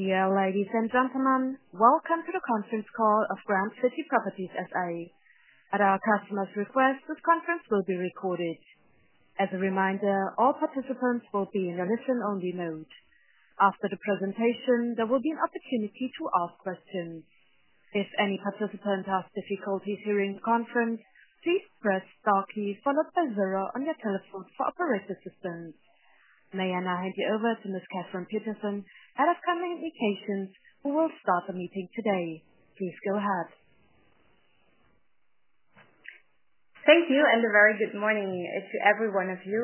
Dear ladies and gentlemen, welcome to the conference call of Grand City Properties S.A. At our customers' request, this conference will be recorded. As a reminder, all participants will be in listen-only mode. After the presentation, there will be an opportunity to ask questions. If any participant has difficulties hearing the conference, please press star key followed by zero on your telephone for operator assistance. May I now hand you over to Ms. Katrin Petersen, Head of Communication, who will start the meeting today. Please go ahead. Thank you, and a very good morning to every one of you.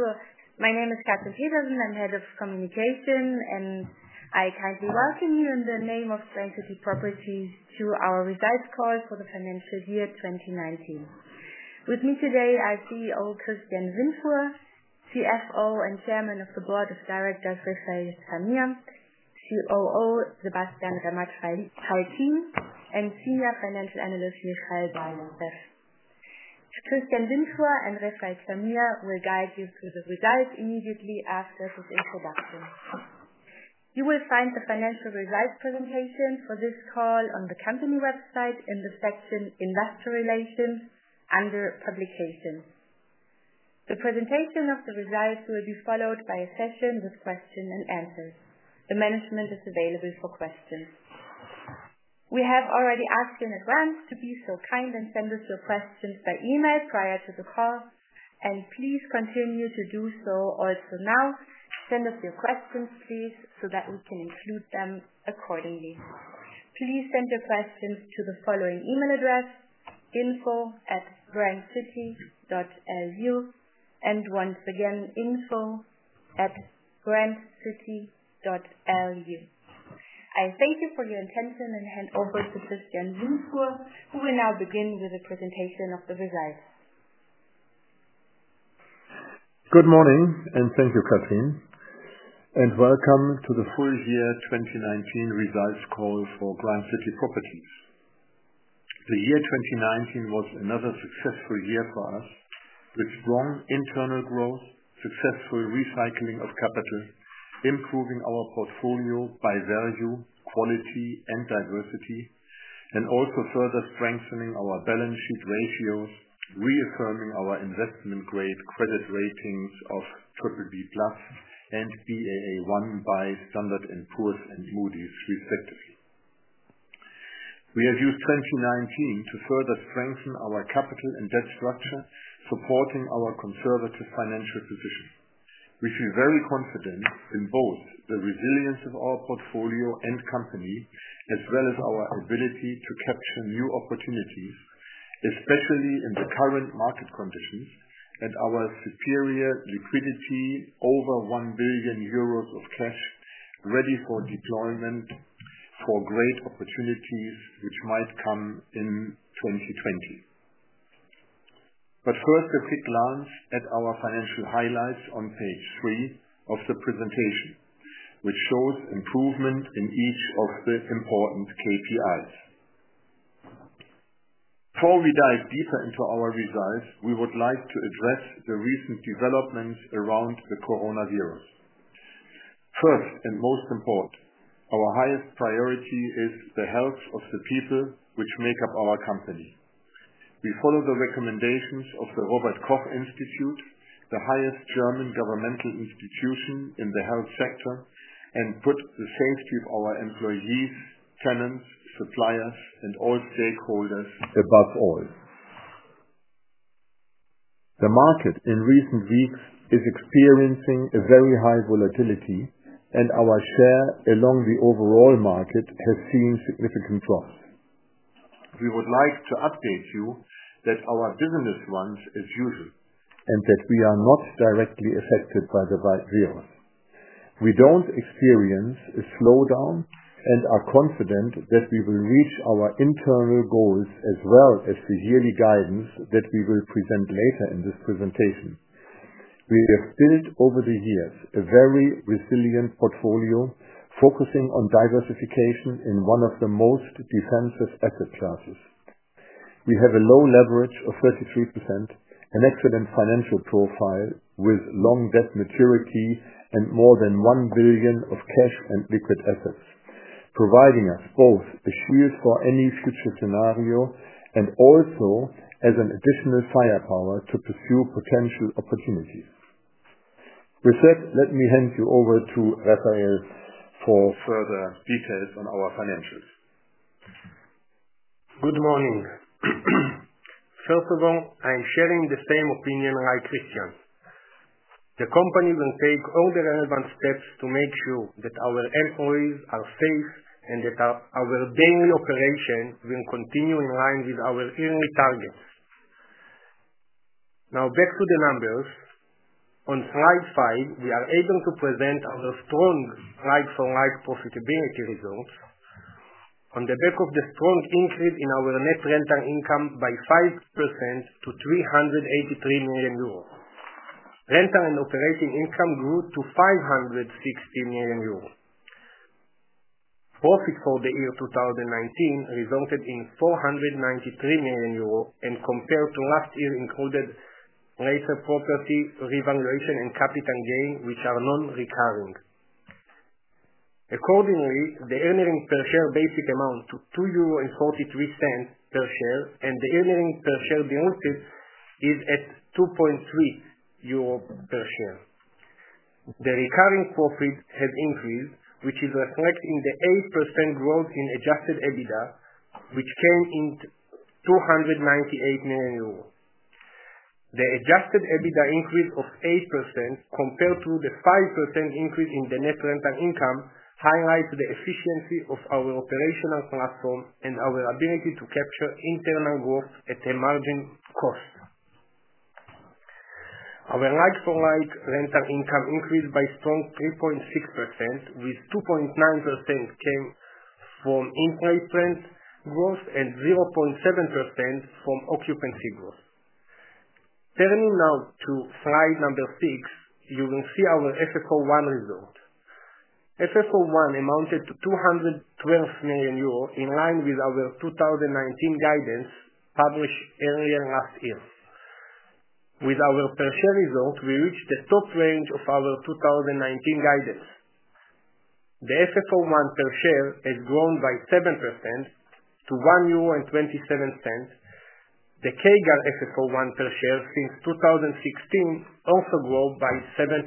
My name is Katrin Petersen. I'm Head of Communication, and I kindly welcome you in the name of Grand City Properties to our results call for the financial year 2019. With me today, I see all Christian Windfuhr, CFO and Chairman of the Board of Directors, Refael Zamir, COO, Sebastian Ramachandran, and Senior Financial Analyst, Michael Bar-Yosef. Christian Windfuhr and Refael Zamir will guide you through the results immediately after this introduction. You will find the financial results presentation for this call on the company website in the section Investor Relations, under Publications. The presentation of the results will be followed by a session with questions and answers. The management is available for questions. We have already asked in advance to be so kind and send us your questions by email prior to the call, and please continue to do so also now. Send us your questions, please, so that we can include them accordingly. Please send your questions to the following email address, info@grandcity.lu, and once again, info@grandcity.lu. I thank you for your attention and hand over to Christian Windfuhr, who will now begin with the presentation of the results. Good morning, and thank you, Katrin. Welcome to the full year 2019 results call for Grand City Properties. The year 2019 was another successful year for us, with strong internal growth, successful recycling of capital, improving our portfolio by value, quality, and diversity, and also further strengthening our balance sheet ratios, reaffirming our investment-grade credit ratings of BBB+ and Baa1 by Standard & Poor's and Moody's respectively. We have used 2019 to further strengthen our capital and debt structure, supporting our conservative financial position. We feel very confident in both the resilience of our portfolio and company, as well as our ability to capture new opportunities, especially in the current market conditions and our superior liquidity, over 1 billion euros of cash ready for deployment for great opportunities which might come in 2020. First, a quick glance at our financial highlights on page three of the presentation, which shows improvement in each of the important KPIs. Before we dive deeper into our results, we would like to address the recent developments around the coronavirus. First, and most important, our highest priority is the health of the people, which make up our company. We follow the recommendations of the Robert Koch Institute, the highest German governmental institution in the health sector, and put the safety of our employees, tenants, suppliers, and all stakeholders above all. The market in recent weeks is experiencing a very high volatility, our share along the overall market has seen significant drops. We would like to update you that our business runs as usual, that we are not directly affected by the virus. We don't experience a slowdown and are confident that we will reach our internal goals as well as the yearly guidance that we will present later in this presentation. We have built over the years a very resilient portfolio focusing on diversification in one of the most defensive asset classes. We have a low leverage of 33%, an excellent financial profile with long debt maturity and more than 1 billion of cash and liquid assets, providing us both a shield for any future scenario and also as an additional firepower to pursue potential opportunities. With that, let me hand you over to Refael for further details on our financials. Good morning. First of all, I am sharing the same opinion like Christian. The company will take all the relevant steps to make sure that our employees are safe and that our daily operations will continue in line with our yearly targets. Now, back to the numbers. On slide five, we are able to present our strong like-for-like profitability results on the back of the strong increase in our net rental income by 5% to 383 million euros. Rental and operating income grew to 516 million euros. Profit for the year 2019 resulted in 493 million euros and compared to last year included Later property revaluation and capital gain, which are non-recurring. Accordingly, the earnings per share basic amount to 2.43 euro per share, the earnings per share diluted is at 2.3 euro per share. The recurring profit has increased, which is reflecting the 8% growth in adjusted EBITDA, which came in at 298 million euros. The adjusted EBITDA increase of 8% compared to the 5% increase in the net rental income, highlights the efficiency of our operational platform and our ability to capture internal growth at a margin cost. Our like-for-like rental income increased by strong 3.6%, with 2.9% came from in-place rent growth and 0.7% from occupancy growth. Turning now to slide number six, you will see our FFO1 result. FFO1 amounted to 212 million euro, in line with our 2019 guidance published earlier last year. With our per share result, we reached the top range of our 2019 guidance. The FFO1 per share has grown by 7% to 1.27 euro. The CAGR FFO1 per share since 2016 also grew by 7%.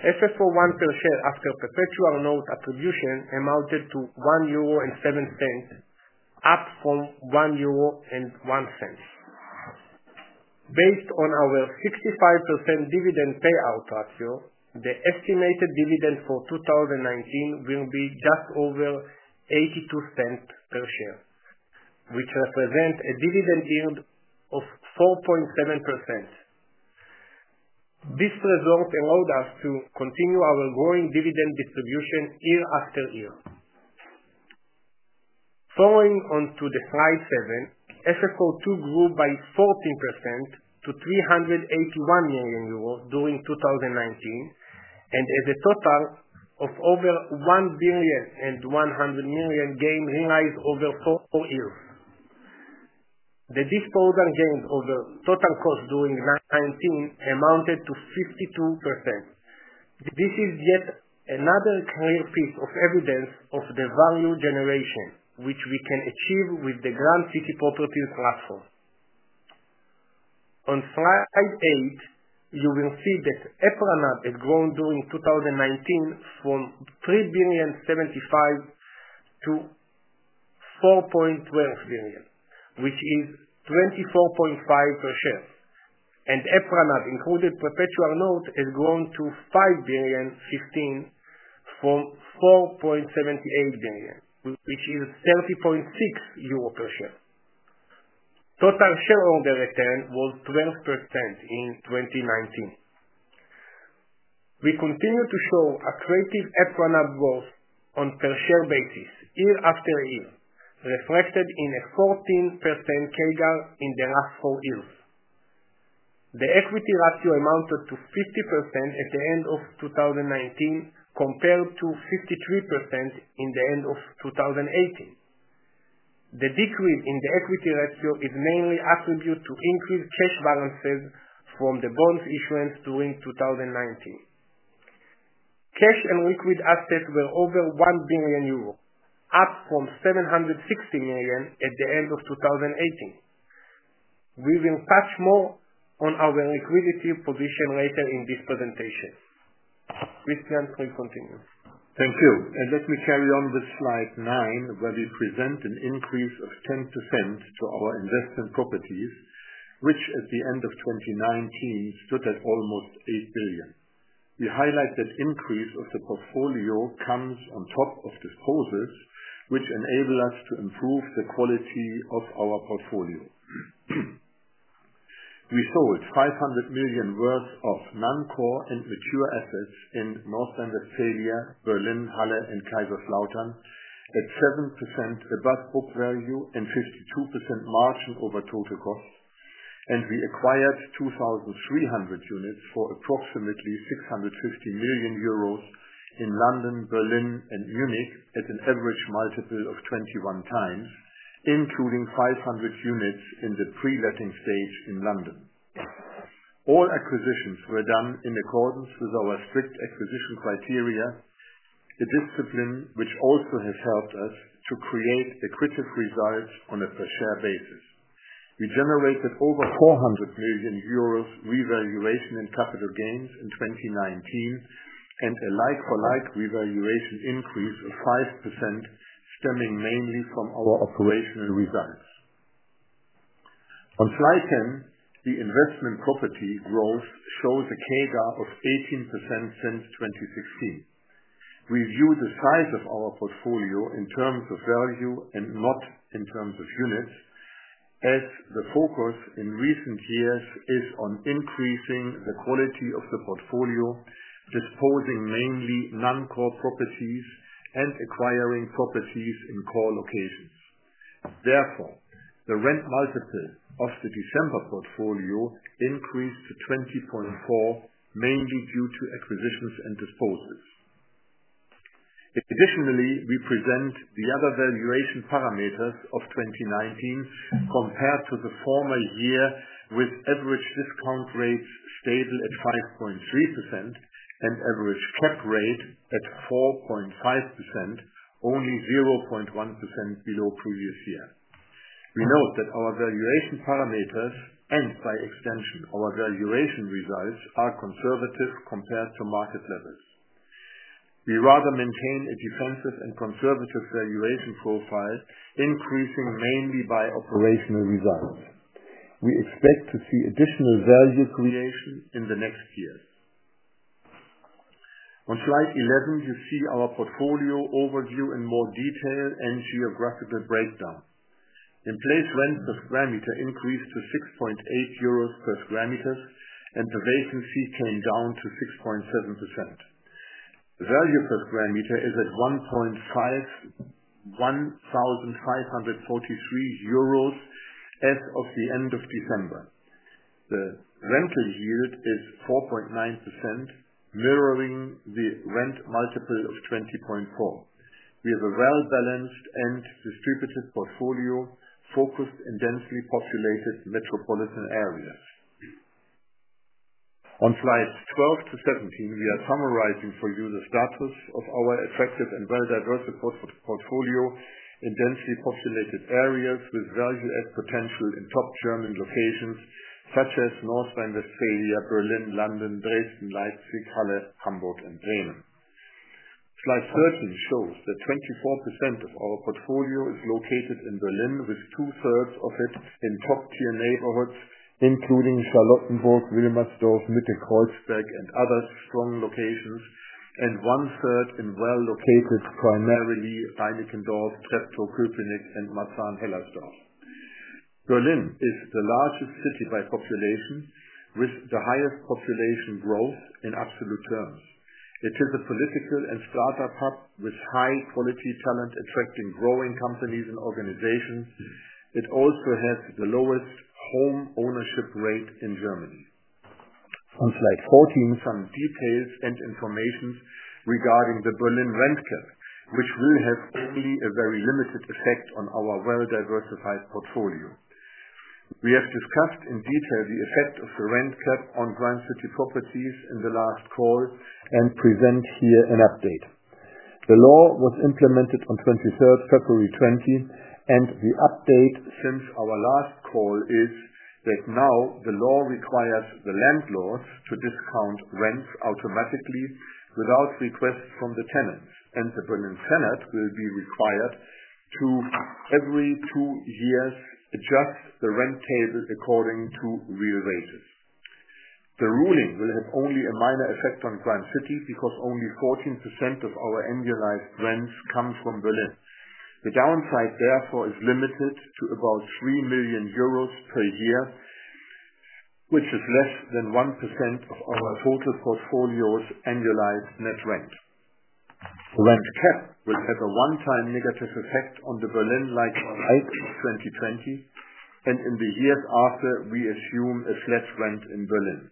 FFO1 per share after perpetual note attribution amounted to 1.07 euro, up from 1.01 euro. Based on our 65% dividend payout ratio, the estimated dividend for 2019 will be just over 0.82 per share, which represents a dividend yield of 4.7%. This result allowed us to continue our growing dividend distribution year after year. Following on to the slide seven, FFO2 grew by 14% to 381 million euros during 2019, and has a total of over 1.1 billion gain realized over four years. The disposal gain over total cost during 2019 amounted to 52%. This is yet another clear piece of evidence of the value generation, which we can achieve with the Grand City Properties platform. On slide eight, you will see that EPRA NAV has grown during 2019 from 3.075 billion to 4.12 billion, which is 24.5 per share. EPRA NAV included perpetual note has grown to 5.015 billion from 4.78 billion, which is 30.6 euro per share. Total shareholder return was 12% in 2019. We continue to show accretive EPRA NAV growth on per share basis year after year, reflected in a 14% CAGR in the last four years. The equity ratio amounted to 50% at the end of 2019, compared to 53% in the end of 2018. The decrease in the equity ratio is mainly attributed to increased cash balances from the bonds issuance during 2019. Cash and liquid assets were over 1 billion euros, up from 760 million at the end of 2018. We will touch more on our liquidity position later in this presentation. Christian, please continue. Thank you. Let me carry on with slide nine, where we present an increase of 10% to our investment properties, which at the end of 2019 stood at almost 8 billion. We highlight that increase of the portfolio comes on top of disposals, which enable us to improve the quality of our portfolio. We sold 500 million worth of non-core and mature assets in North Rhine-Westphalia, Berlin, Halle, and Kaiserslautern at 7% above book value and 52% margin over total cost. We acquired 2,300 units for approximately 650 million euros in London, Berlin, and Munich at an average multiple of 21 times, including 500 units in the pre-letting stage in London. All acquisitions were done in accordance with our strict acquisition criteria, a discipline which also has helped us to create accretive results on a per share basis. We generated over 400 million euros revaluation and capital gains in 2019, and a like-for-like revaluation increase of 5% stemming mainly from our operational results. On slide 10, the investment property growth shows a CAGR of 18% since 2016. We view the size of our portfolio in terms of value and not in terms of units, as the focus in recent years is on increasing the quality of the portfolio, disposing mainly non-core properties, and acquiring properties in core locations. Therefore, the rent multiple of the December portfolio increased to 20.4, mainly due to acquisitions and disposals. Additionally, we present the other valuation parameters of 2019 compared to the former year, with average discount rates stable at 5.3% and average cp rate at 4.5%, only 0.1% below previous year. We note that our valuation parameters, and by extension, our valuation results, are conservative compared to market levels. We rather maintain a defensive and conservative valuation profile, increasing mainly by operational results. We expect to see additional value creation in the next year. On slide 11, you see our portfolio overview in more detail and geographical breakdown. In place rent per square meter increased to EUR 6.8 per square meter, and the vacancy came down to 6.7%. Value per square meter is at 1,543 euros as of the end of December. The rental yield is 4.9%, mirroring the rent multiple of 20.4. We have a well-balanced and distributed portfolio, focused in densely populated metropolitan areas. On slides 12 to 17, we are summarizing for you the status of our attractive and well-diversified portfolio in densely populated areas with value add potential in top German locations such as North Rhine-Westphalia, Berlin, London, Dresden, Leipzig, Halle, Hamburg, and Bremen. Slide 13 shows that 24% of our portfolio is located in Berlin, with two-thirds of it in top-tier neighborhoods, including Charlottenburg, Wilmersdorf, Mitte, Kreuzberg, and other strong locations, and one-third in well-located, primarily Reinickendorf, Treptow-Köpenick, and Marzahn-Hellersdorf. Berlin is the largest city by population, with the highest population growth in absolute terms. It is a political and startup hub with high-quality talent, attracting growing companies and organizations. It also has the lowest home ownership rate in Germany. On slide 14, some details and information regarding the Berlin rent cap, which will have only a very limited effect on our well-diversified portfolio. We have discussed in detail the effect of the rent cap on Grand City Properties in the last call and present here an update. The law was implemented on 23rd February 2020, and the update since our last call is that now the law requires the landlord to discount rents automatically without request from the tenants. The Berlin Senate will be required to, every two years, adjust the rent cases according to real rates. The ruling will have only a minor effect on Grand City because only 14% of our annualized rents come from Berlin. The downside, therefore, is limited to about 3 million euros per year, which is less than 1% of our total portfolio's annualized net rent. The rent cap will have a one-time negative effect on the Berlin like-for-like 2020, and in the years after, we assume a flat rent in Berlin.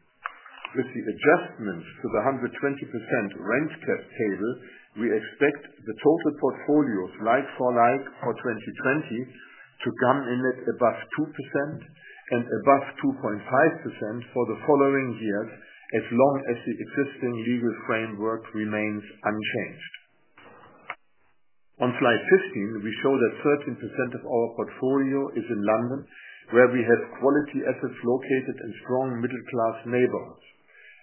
With the adjustments to the 120% rent cap table, we expect the total portfolio's like-for-like for 2020 to come in at above 2% and above 2.5% for the following years, as long as the existing legal framework remains unchanged. On slide 15, we show that 13% of our portfolio is in London, where we have quality assets located in strong middle-class neighborhoods.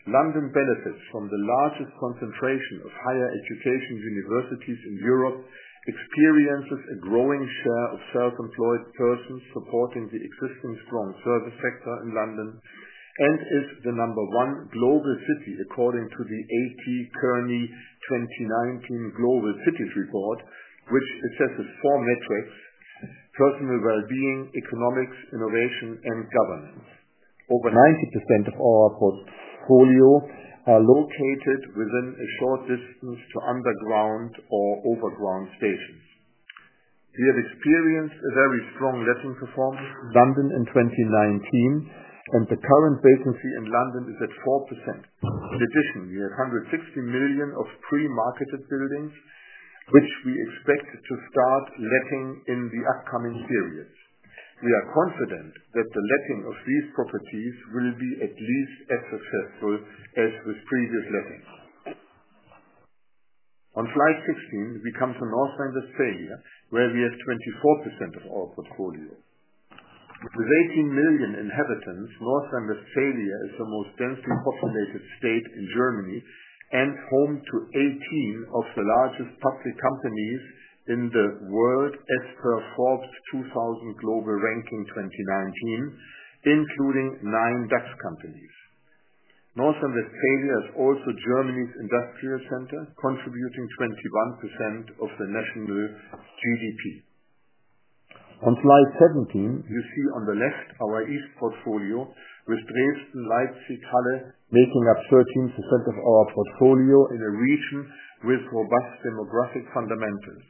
London benefits from the largest concentration of higher education universities in Europe, experiences a growing share of self-employed persons supporting the existing strong service sector in London, and is the number one global city according to the A.T. Kearney 2019 Global Cities Report, which assesses four metrics: personal well-being, economics, innovation, and governance. Over 90% of our portfolio are located within a short distance to underground or overground stations. We have experienced a very strong letting performance in London in 2019, and the current vacancy in London is at 4%. In addition, we have 160 million of pre-marketed buildings, which we expect to start letting in the upcoming periods. We are confident that the letting of these properties will be at least as successful as with previous lettings. On slide 16, we come to North Rhine-Westphalia, where we have 24% of our portfolio. With 18 million inhabitants, North Rhine-Westphalia is the most densely populated state in Germany and home to 18 of the largest public companies in the world as per Forbes Global 2000 Ranking 2019, including nine DAX companies. North Rhine-Westphalia is also Germany's industrial center, contributing 21% of the national GDP. On slide 17, you see on the left our east portfolio with Dresden, Leipzig, Halle, making up 13% of our portfolio in a region with robust demographic fundamentals.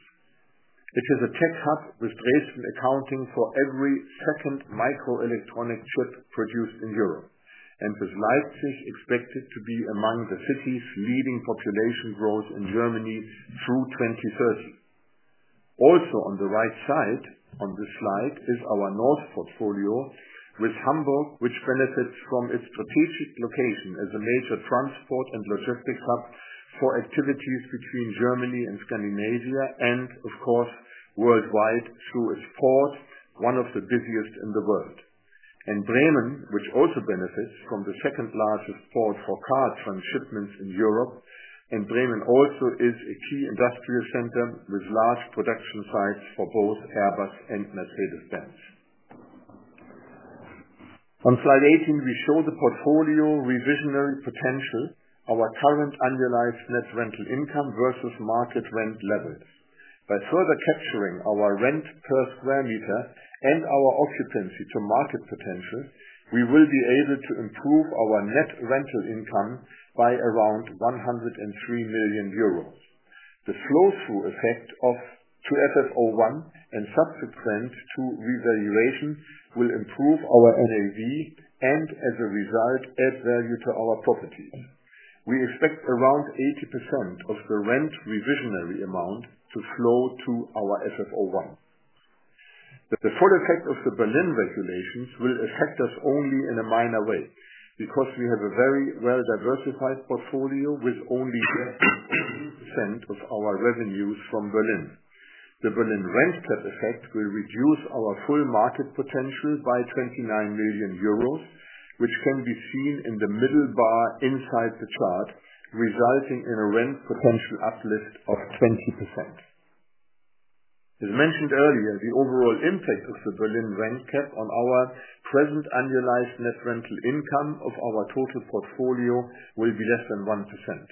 It is a tech hub with Dresden accounting for every second microelectronic chip produced in Europe, and with Leipzig expected to be among the cities leading population growth in Germany through 2030. On the right side on this slide is our north portfolio with Hamburg, which benefits from its strategic location as a major transport and logistics hub for activities between Germany and Scandinavia, and of course, worldwide, through its port, one of the busiest in the world. And Bremen, which also benefits from the second-largest port for car trans-shipments in Europe. And Bremen also is a key industrial center with large production sites for both Airbus and Mercedes-Benz. On slide 18, we show the portfolio reversionary potential, our current annualized net rental income versus market rent levels. By further capturing our rent per square meter and our occupancy to market potential, we will be able to improve our net rental income by around 103 million euros. The flow-through effect of to FFO1 and subsequent to revaluation will improve our NAV and as a result, add value to our properties. We expect around 80% of the rent revisionary amount to flow to our FFO1. The full effect of the Berlin regulations will affect us only in a minor way because we have a very well-diversified portfolio with only 10% of our revenues from Berlin. The Berlin rent cap effect will reduce our full market potential by 29 million euros, which can be seen in the middle bar inside the chart, resulting in a rent potential uplift of 20%. As mentioned earlier, the overall impact of the Berlin rent cap on our present annualized net rental income of our total portfolio will be less than 1%.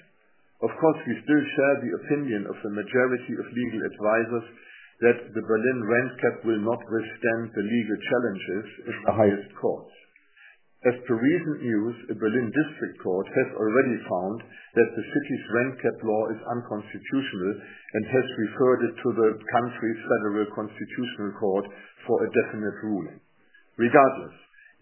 Of course, we still share the opinion of the majority of legal advisors that the Berlin rent cap will not withstand the legal challenges of the highest court. As to recent news, a Berlin district court has already found that the city's rent cap law is unconstitutional and has referred it to the country's federal constitutional court for a definite ruling. Regardless,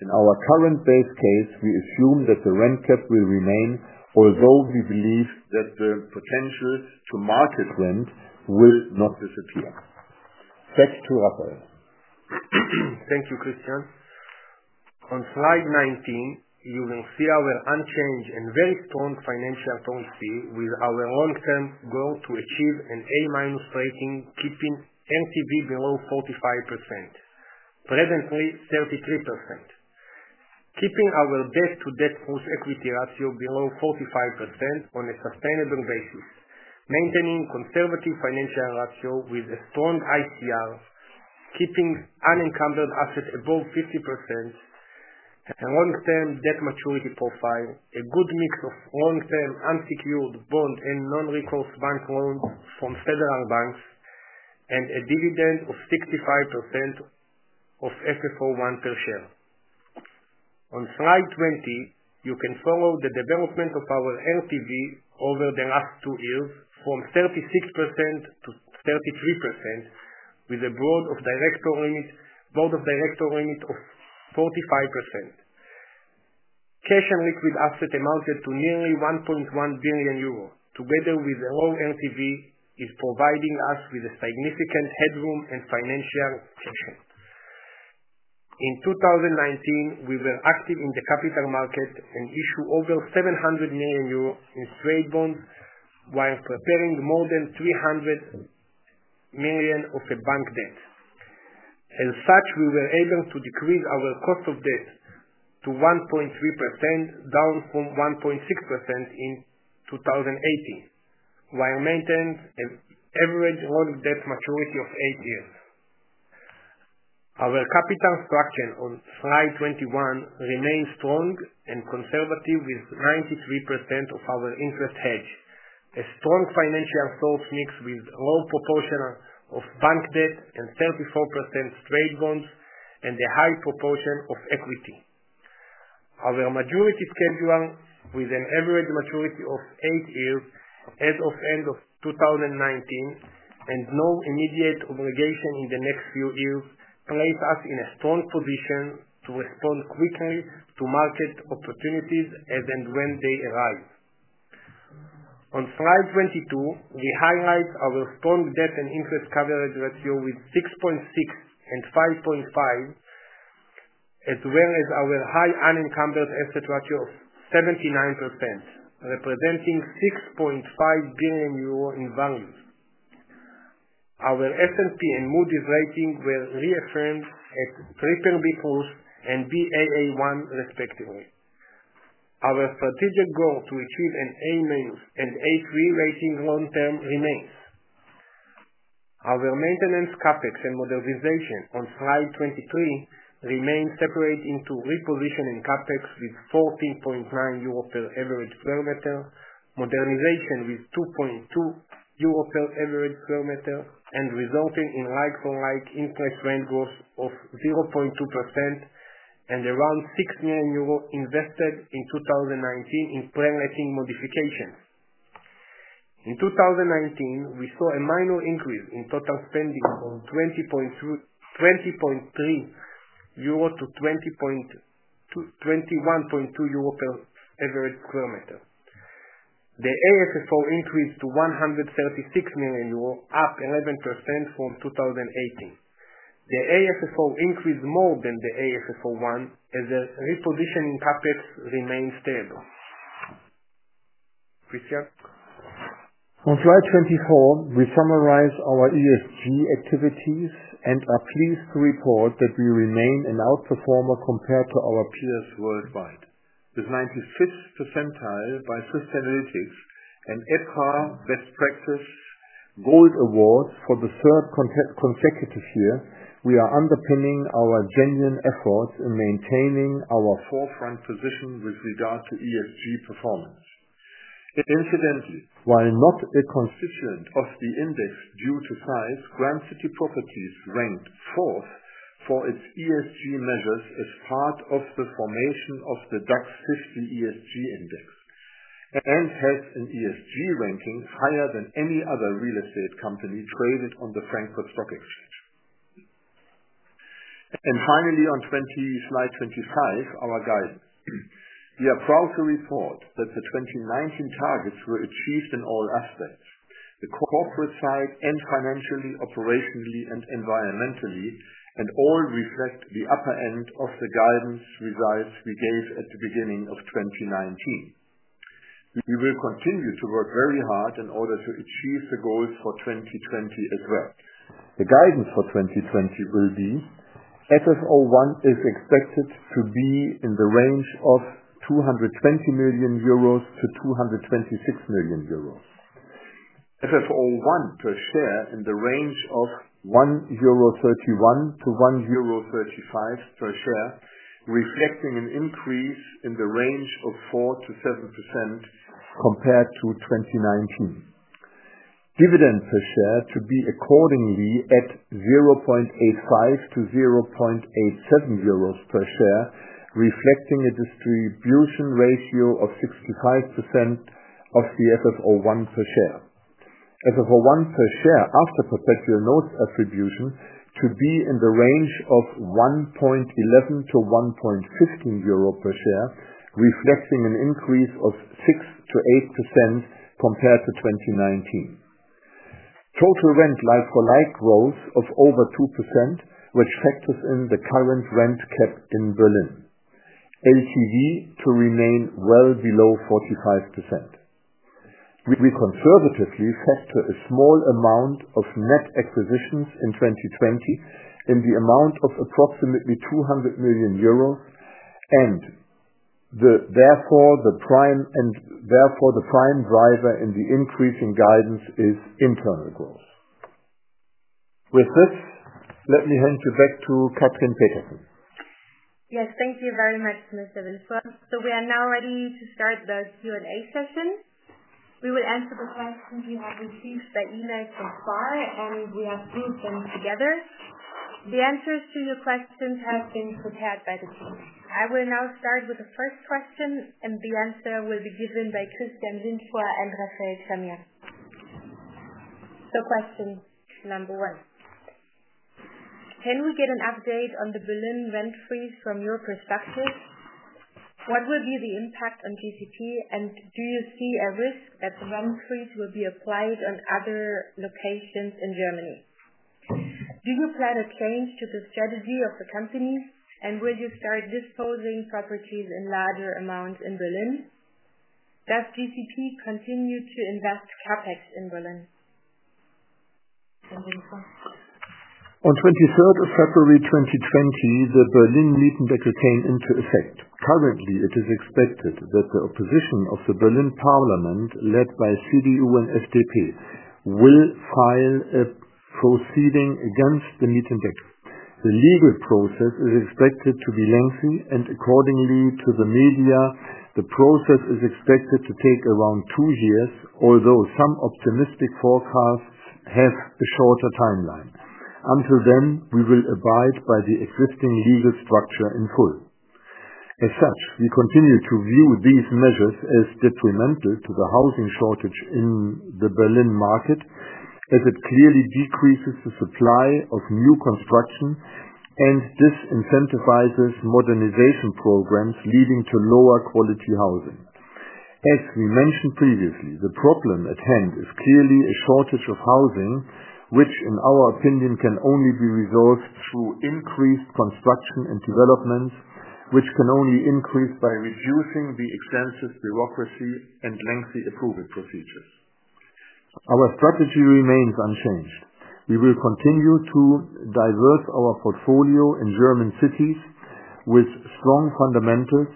in our current base case, we assume that the rent cap will remain, although we believe that the potential to market rent will not disappear. Back to Refael. Thank you, Christian. On slide 19, you will see our unchanged and very strong financial policy with our long-term goal to achieve an A- rating, keeping LTV below 45%, presently 33%. Keeping our debt-to-debt-plus-equity ratio below 45% on a sustainable basis. Maintaining conservative financial ratio with a strong ICR. Keeping unencumbered assets above 50%. A long-term debt maturity profile. A good mix of long-term unsecured bond and non-recourse bank loans from several banks. A dividend of 65% of FFO1 per share. On slide 20, you can follow the development of our LTV over the last two years from 36% to 33% with a board of director limit of 45%. Cash and liquid assets amounted to nearly 1.1 billion euros. Together with low LTV, is providing us with a significant headroom and financial cushion. In 2019, we were active in the capital market and issued over 700 million euro in trade bonds while preparing more than 300 million of a bank debt. As such, we were able to decrease our cost of debt to 1.3%, down from 1.6% in 2018, while maintaining an average loan debt maturity of eight years. Our capital structure on slide 21 remains strong and conservative with 93% of our interest hedged. A strong financial source mixed with low proportion of bank debt and 34% trade bonds and a high proportion of equity. Our maturity schedule, with an average maturity of eight years as of end of 2019 and no immediate obligation in the next few years, place us in a strong position to respond quickly to market opportunities as and when they arise. On slide 22, we highlight our strong debt and interest coverage ratio with 6.6 and 5.5, as well as our high unencumbered asset ratio of 79%, representing 6.5 billion euro in value. Our S&P and Moody's rating were reaffirmed at BBB+ and Baa1 respectively. Our strategic goal to achieve an A- and A3 rating long term remains. Our maintenance CapEx and modernization on slide 23 remain separate into repositioning CapEx with 14.9 euro per average square meter, modernization with 2.2 euro per average square meter, resulting in like-for-like interest rent growth of 0.2%. Around 6 million euro invested in 2019 in plan letting modifications. In 2019, we saw a minor increase in total spending from 20.3 to 21.2 euro average square meter. The AFFO increased to 136 million euro, up 11% from 2018. The AFFO increased more than the AFFO1, as the repositioning CapEx remained stable. Christian? On slide 24, we summarize our ESG activities and are pleased to report that we remain an outperformer compared to our peers worldwide. With 95th percentile by Sustainalytics and EPRA Best Practice Gold Award for the third consecutive year, we are underpinning our genuine efforts in maintaining our forefront position with regard to ESG performance. Incidentally, while not a constituent of the index due to size, Grand City Properties ranked fourth for its ESG measures as part of the formation of the DAX 50 ESG index, and has an ESG ranking higher than any other real estate company traded on the Frankfurt Stock Exchange. Finally, on slide 25, our guidance. We are proud to report that the 2019 targets were achieved in all aspects. The corporate side, financially, operationally, and environmentally, all reflect the upper end of the guidance results we gave at the beginning of 2019. We will continue to work very hard in order to achieve the goals for 2020 as well. The guidance for 2020 will be FFO1 is expected to be in the range of 220 million-226 million euros. FFO1 per share in the range of 1.31-1.35 euro per share, reflecting an increase in the range of 4%-7% compared to 2019. Dividend per share to be accordingly at 0.85-0.87 euros per share, reflecting a distribution ratio of 65% of the FFO1 per share. FFO1 per share after perpetual notes attribution to be in the range of 1.11-1.15 euro per share, reflecting an increase of 6%-8% compared to 2019. Total rent like-for-like growth of over 2%, which factors in the current rent cap in Berlin. LTV to remain well below 45%. We conservatively factor a small amount of net acquisitions in 2020 in the amount of approximately 200 million euros, and therefore the prime driver in the increasing guidance is internal growth. With this, let me hand you back to Katrin Petersen. Yes, thank you very much, Mr. Windfuhr. So we are now ready to start the Q&A session. We will answer the questions we have received by email so far, and we have grouped them together. The answers to your questions have been prepared by the team. I will now start with the first question, and the answer will be given by Christian Windfuhr and Refael Zamir. So question number 1. Can we get an update on the Berlin rent freeze from your perspective? What will be the impact on GCP, and do you see a risk that the rent freeze will be applied on other locations in Germany? Do you plan a change to the strategy of the company, and will you start disposing properties in larger amounts in Berlin? Does GCP continue to invest CapEx in Berlin? Christian Windfuhr. On 23rd of February 2020, the Berlin Mietendeckel came into effect. Currently, it is expected that the opposition of the Berlin parliament, led by CDU and FDP, will file a proceeding against the Mietendeckel. The legal process is expected to be lengthy, and accordingly to the media, the process is expected to take around 2 years, although some optimistic forecasts have a shorter timeline. Until then, we will abide by the existing legal structure in full. As such, we continue to view these measures as detrimental to the housing shortage in the Berlin market, as it clearly decreases the supply of new construction, and this incentivizes modernization programs leading to lower quality housing. As we mentioned previously, the problem at hand is clearly a shortage of housing, which in our opinion can only be resolved through increased construction and developments, which can only increase by reducing the extensive bureaucracy and lengthy approval procedures. Our strategy remains unchanged. We will continue to divert our portfolio in German cities with strong fundamentals,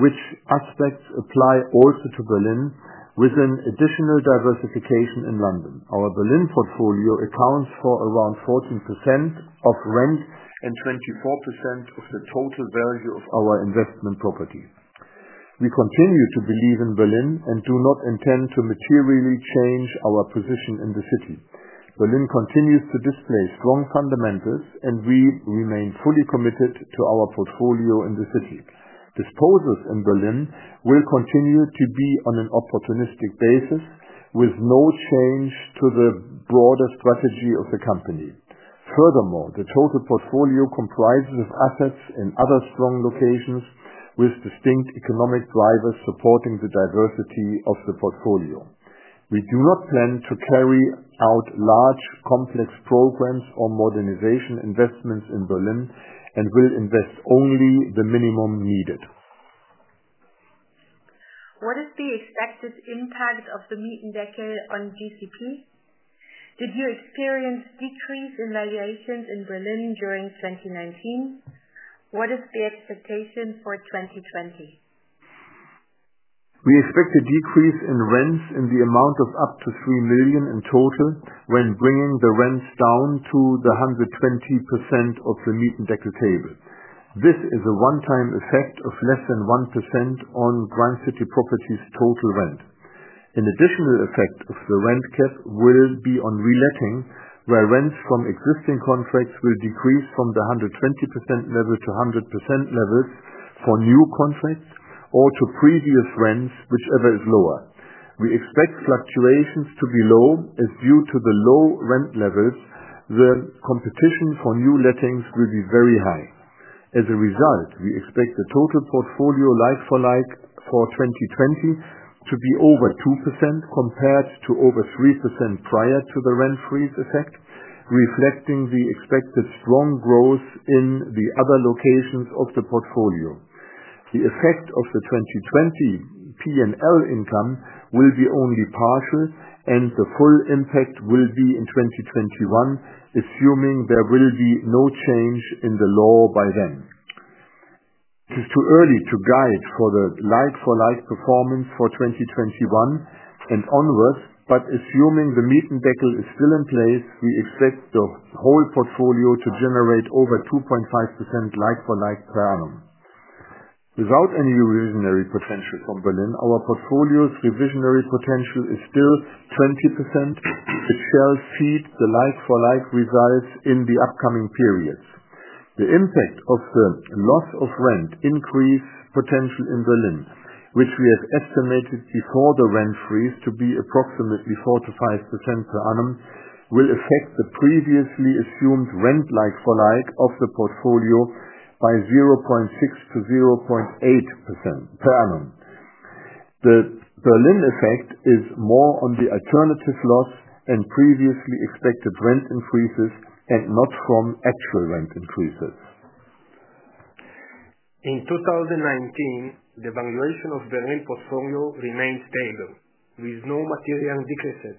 which aspects apply also to Berlin, with an additional diversification in London. Our Berlin portfolio accounts for around 14% of rent and 24% of the total value of our investment property. We continue to believe in Berlin and do not intend to materially change our position in the city. Berlin continues to display strong fundamentals, and we remain fully committed to our portfolio in the city. Disposals in Berlin will continue to be on an opportunistic basis with no change to the broader strategy of the company. The total portfolio comprises assets in other strong locations with distinct economic drivers supporting the diversity of the portfolio. We do not plan to carry out large, complex programs or modernization investments in Berlin and will invest only the minimum needed. What is the expected impact of the Mietendeckel on GCP? Did you experience decrease in valuations in Berlin during 2019? What is the expectation for 2020? We expect a decrease in rents in the amount of up to 3 million in total when bringing the rents down to the 120% of the Mietendeckel table. This is a one-time effect of less than 1% on Grand City Properties total rent. An additional effect of the rent cap will be on reletting, where rents from existing contracts will decrease from the 120% level to 100% level for new contracts or to previous rents, whichever is lower. We expect fluctuations to be low as due to the low rent levels, the competition for new lettings will be very high. We expect the total portfolio like-for-like for 2020 to be over 2% compared to over 3% prior to the rent freeze effect, reflecting the expected strong growth in the other locations of the portfolio. The effect of the 2020 P&L income will be only partial. The full impact will be in 2021, assuming there will be no change in the law by then. It is too early to guide for the like-for-like performance for 2021 and onwards. Assuming the Mietendeckel is still in place, we expect the whole portfolio to generate over 2.5% like-for-like per annum. Without any revisionary potential from Berlin, our portfolio's revisionary potential is still 20%. It shall feed the like-for-like results in the upcoming periods. The impact of the loss of rent increase potential in Berlin, which we have estimated before the rent freeze to be approximately 4%-5% per annum, will affect the previously assumed rent like-for-like of the portfolio by 0.6%-0.8% per annum. The Berlin effect is more on the alternative loss and previously expected rent increases, not from actual rent increases. In 2019, the valuation of Berlin portfolio remained stable with no material decreases.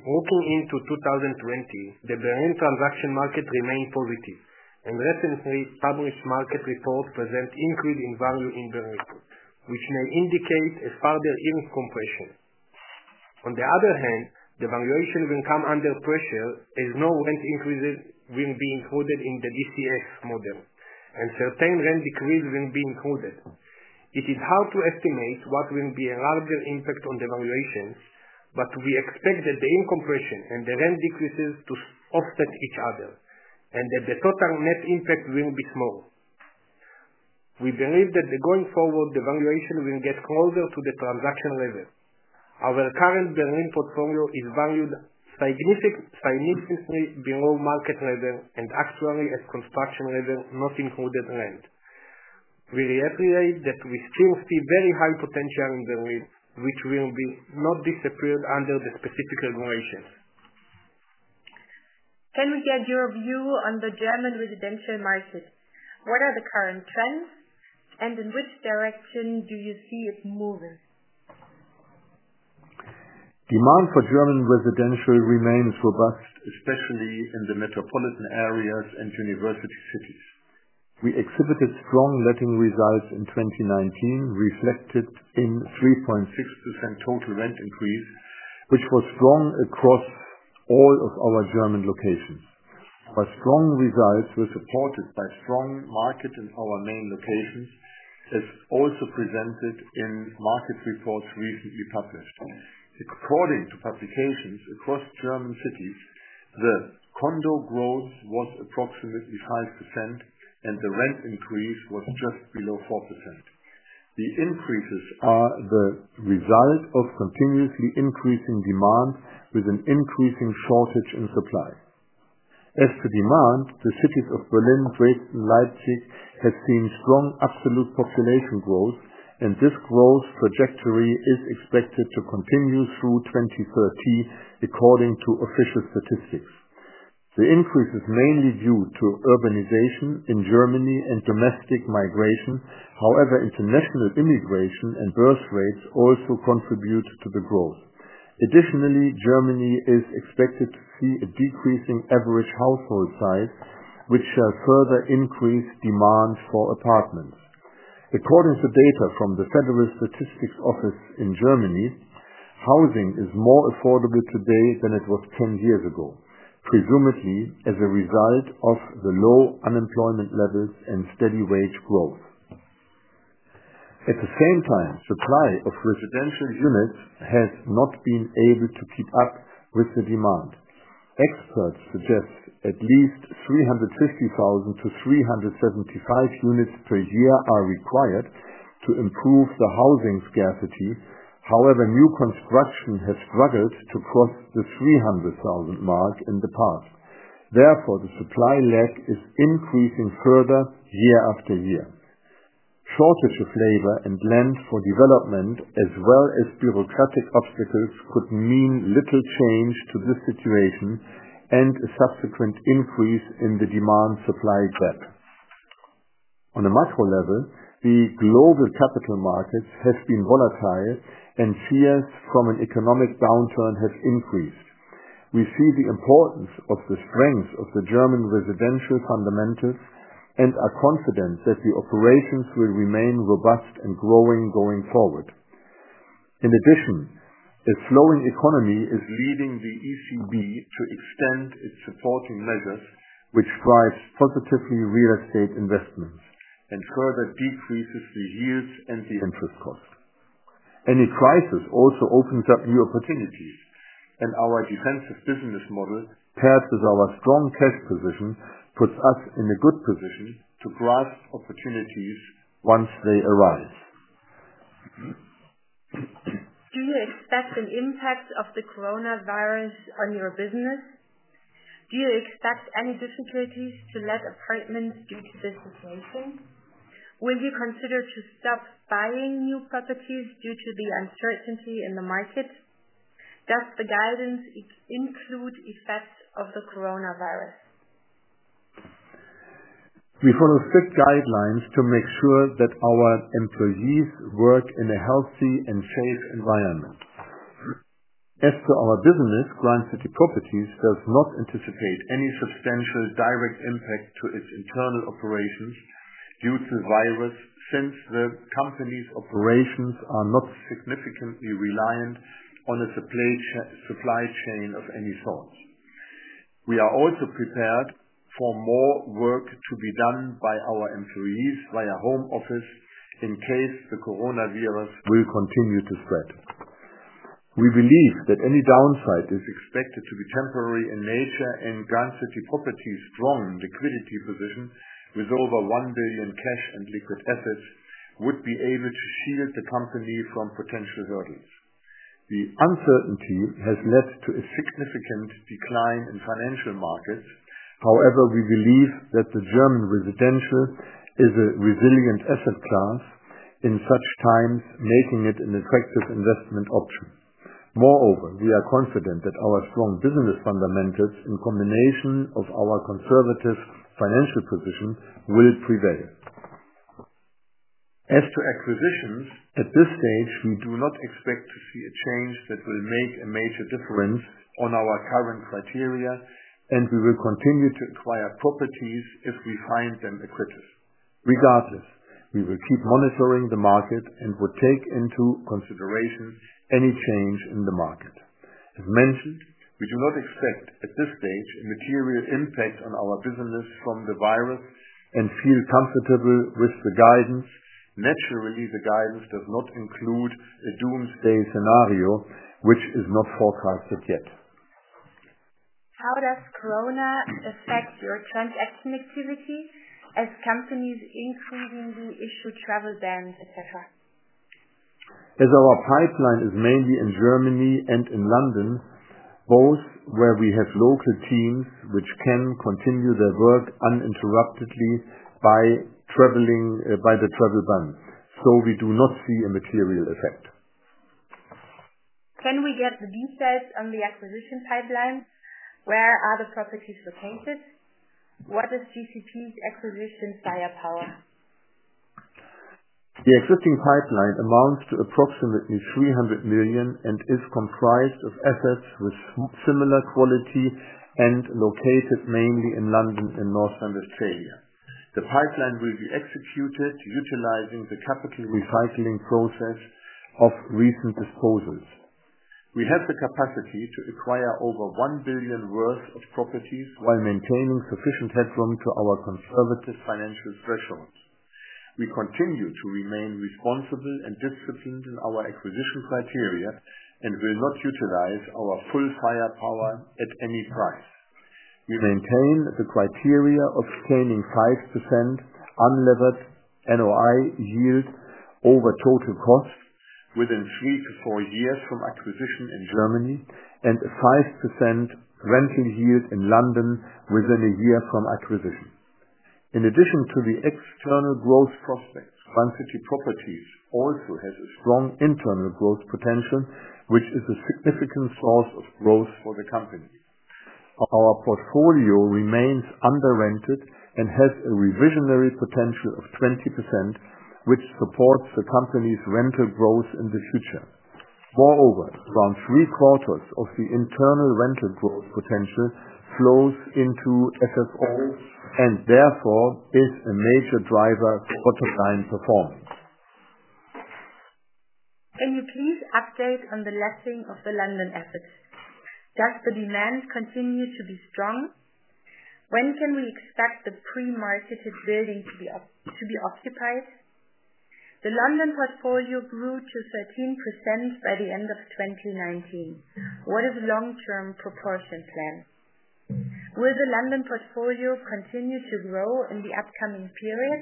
Looking into 2020, the Berlin transaction market remained positive. Recently published market reports present increase in value in Berlin, which may indicate a further yield compression. The valuation will come under pressure as no rent increases will be included in the DCF model and certain rent decrease will be included. It is hard to estimate what will be a larger impact on the valuations. We expect that the yield compression and the rent decreases to offset each other, and that the total net impact will be small. We believe that going forward, the valuation will get closer to the transaction level. Our current Berlin portfolio is valued significantly below market level and actually at construction level, not including rent. We reiterate that we still see very high potential in Berlin, which will not disappear under the specific valuation. Can we get your view on the German residential market? What are the current trends, and in which direction do you see it moving? Demand for German residential remains robust, especially in the metropolitan areas and university cities. We exhibited strong letting results in 2019, reflected in 3.6% total rent increase, which was strong across all of our German locations. Our strong results were supported by strong market in our main locations, as also presented in market reports recently published. According to publications across German cities, the condo growth was approximately 5% and the rent increase was just below 4%. The increases are the result of continuously increasing demand with an increasing shortage in supply. As to demand, the cities of Berlin, Dresden, Leipzig have seen strong absolute population growth, and this growth trajectory is expected to continue through 2030, according to official statistics. The increase is mainly due to urbanization in Germany and domestic migration. However, international immigration and birth rates also contribute to the growth. Additionally, Germany is expected to see a decrease in average household size, which shall further increase demand for apartments. According to data from the Federal Statistical Office in Germany- Housing is more affordable today than it was 10 years ago, presumably as a result of the low unemployment levels and steady wage growth. At the same time, supply of residential units has not been able to keep up with the demand. Experts suggest at least 350,000 to 375,000 units per year are required to improve the housing scarcity. However, new construction has struggled to cross the 300,000 mark in the past. Therefore, the supply lag is increasing further year after year. Shortage of labor and land for development, as well as bureaucratic obstacles could mean little change to this situation and a subsequent increase in the demand supply gap. On a macro level, the global capital markets has been volatile and fears from an economic downturn has increased. We see the importance of the strength of the German residential fundamentals and are confident that the operations will remain robust and growing going forward. In addition, a slowing economy is leading the ECB to extend its supporting measures, which drives positively real estate investments and further decreases the yields and the interest cost. Any crisis also opens up new opportunities, and our defensive business model, paired with our strong cash position, puts us in a good position to grasp opportunities once they arise. Do you expect an impact of the coronavirus on your business? Do you expect any difficulties to let apartments due to this situation? Will you consider to stop buying new properties due to the uncertainty in the market? Does the guidance include effects of the coronavirus? We follow strict guidelines to make sure that our employees work in a healthy and safe environment. As to our business, Grand City Properties does not anticipate any substantial direct impact to its internal operations due to virus, since the company's operations are not significantly reliant on a supply chain of any sort. We are also prepared for more work to be done by our employees via home office in case the coronavirus will continue to spread. We believe that any downside is expected to be temporary in nature and Grand City Properties' strong liquidity position with over 1 billion cash and liquid assets would be able to shield the company from potential hurdles. The uncertainty has led to a significant decline in financial markets. We believe that the German residential is a resilient asset class in such times, making it an effective investment option. We are confident that our strong business fundamentals, in combination of our conservative financial position, will prevail. As to acquisitions, at this stage, we do not expect to see a change that will make a major difference on our current criteria, and we will continue to acquire properties if we find them accretive. We will keep monitoring the market and will take into consideration any change in the market. As mentioned, we do not expect at this stage a material impact on our business from the virus and feel comfortable with the guidance. The guidance does not include a doomsday scenario, which is not forecasted yet. How does Corona affect your transaction activity as companies increasingly issue travel bans, et cetera? As our pipeline is mainly in Germany and in London, both where we have local teams which can continue their work uninterruptedly by the travel ban. We do not see a material effect. Can we get details on the acquisition pipeline? Where are the properties located? What is GCP's acquisition firepower? The existing pipeline amounts to approximately 300 million and is comprised of assets with similar quality and located mainly in London and North Rhine-Westphalia. The pipeline will be executed utilizing the capital recycling process of recent disposals. We have the capacity to acquire over 1 billion worth of properties while maintaining sufficient headroom to our conservative financial thresholds. We continue to remain responsible and disciplined in our acquisition criteria and will not utilize our full firepower at any price. We maintain the criteria of scaling 5% unlevered NOI yield over total cost within three to four years from acquisition in Germany and 5% rental yield in London within a year from acquisition. In addition to the external growth prospects, Grand City Properties also has a strong internal growth potential, which is a significant source of growth for the company. Our portfolio remains under-rented and has a revisionary potential of 20%, which supports the company's rental growth in the future. Moreover, around three-quarters of the internal rental growth potential flows into FFO and therefore is a major driver for top-line performance. Can you please update on the letting of the London assets? Does the demand continue to be strong? When can we expect the pre-marketed building to be occupied? The London portfolio grew to 13% by the end of 2019. What is long-term proportion plan? Will the London portfolio continue to grow in the upcoming period?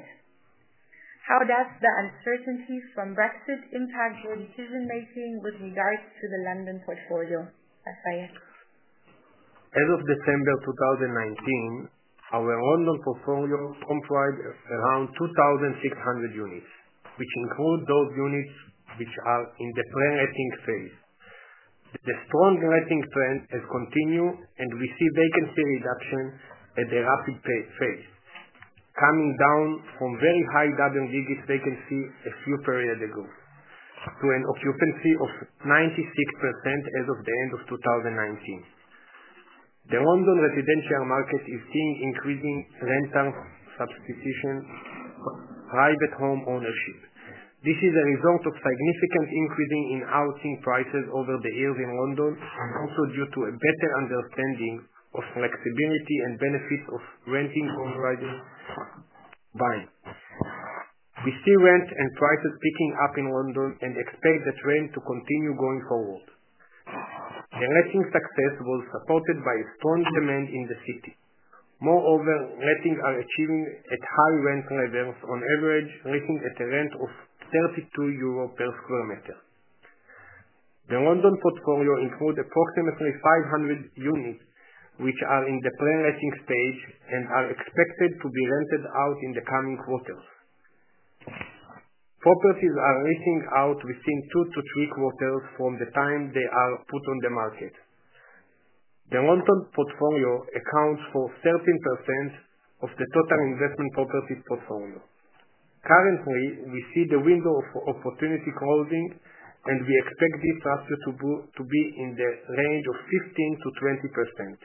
How does the uncertainty from Brexit impact your decision-making with regards to the London portfolio? Rafael. As of December 2019, our London portfolio comprised around 2,600 units, which include those units which are in the pre-letting phase. The strong letting trend has continued, we see vacancy reduction at a rapid phase. Coming down from very high double-digit vacancy a few periods ago, to an occupancy of 96% as of the end of 2019. The London residential market is seeing increasing rental substitution, private home ownership. This is a result of significant increasing in housing prices over the years in London, also due to a better understanding of flexibility and benefit of renting over buying. We see rent and prices picking up in London and expect the trend to continue going forward. The letting success was supported by strong demand in the city. Moreover, lettings are achieving at high rent levels, on average, letting at a rent of 32 euro per square meter. The London portfolio includes approximately 500 units, which are in the pre-letting stage and are expected to be rented out in the coming quarters. Properties are letting out within two to three quarters from the time they are put on the market. The London portfolio accounts for 13% of the total investment properties portfolio. Currently, we see the window of opportunity closing, we expect this ratio to be in the range of 15%-20%.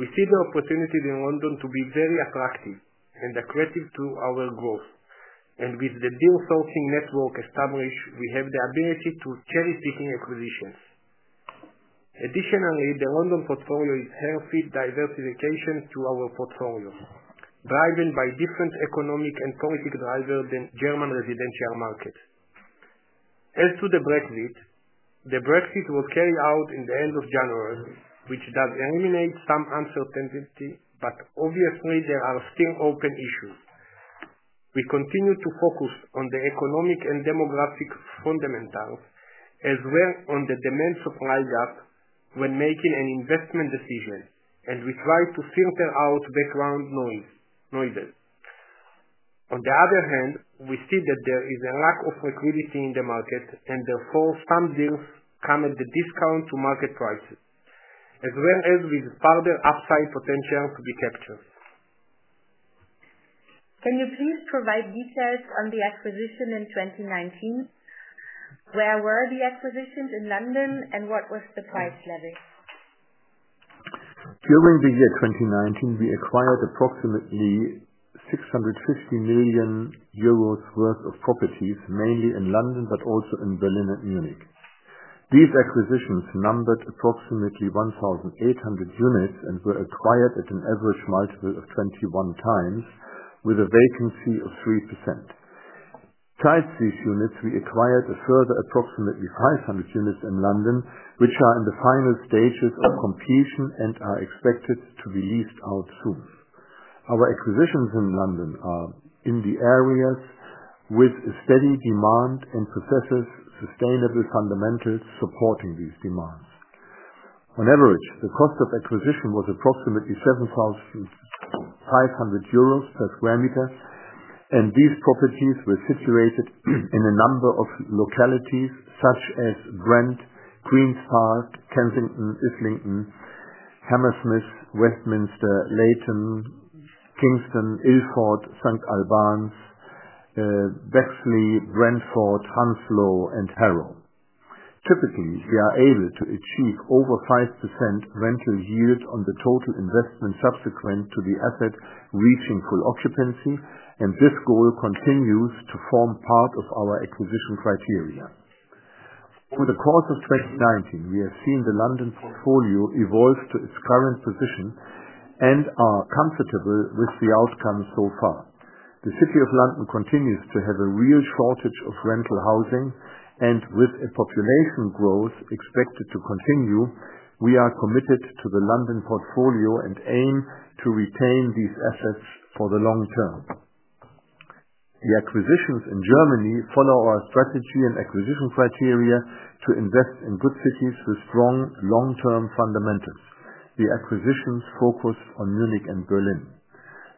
We see the opportunities in London to be very attractive and accretive to our growth. With the deal sourcing network established, we have the ability to cherry-pick acquisitions. Additionally, the London portfolio is healthy diversification to our portfolio, driven by different economic and political drivers than German residential markets. As to the Brexit, the Brexit will carry out in the end of January, which does eliminate some uncertainty, but obviously there are still open issues. We continue to focus on the economic and demographic fundamentals, as well on the demand-supply gap, when making an investment decision, we try to filter out background noise. On the other hand, we see that there is a lack of liquidity in the market, therefore, some deals come at a discount to market prices, as well as with further upside potential to be captured. Can you please provide details on the acquisition in 2019? Where were the acquisitions in London, and what was the price level? During the year 2019, we acquired approximately 650 million euros worth of properties, mainly in London, but also in Berlin and Munich. These acquisitions numbered approximately 1,800 units and were acquired at an average multiple of 21x with a vacancy of 3%. Besides these units, we acquired a further approximately 500 units in London, which are in the final stages of completion and are expected to be leased out soon. Our acquisitions in London are in the areas with a steady demand and possesses sustainable fundamentals supporting these demands. On average, the cost of acquisition was approximately 7,500 euros per square meter, and these properties were situated in a number of localities such as Brent, Queens Park, Kensington, Islington, Hammersmith, Westminster, Leyton, Kingston, Ilford, St Albans, Bexley, Brentford, Hounslow, and Harrow. Typically, we are able to achieve over 5% rental yield on the total investment subsequent to the asset reaching full occupancy. This goal continues to form part of our acquisition criteria. Over the course of 2019, we have seen the London portfolio evolve to its current position and are comfortable with the outcome so far. The City of London continues to have a real shortage of rental housing. With a population growth expected to continue, we are committed to the London portfolio and aim to retain these assets for the long term. The acquisitions in Germany follow our strategy and acquisition criteria to invest in good cities with strong long-term fundamentals. The acquisitions focus on Munich and Berlin.